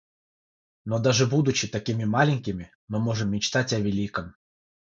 Но даже будучи такими маленькими, мы можем мечтать о великом.